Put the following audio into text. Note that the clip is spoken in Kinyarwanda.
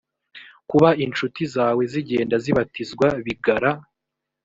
kuba incuti zawe zigenda zibatizwa bigara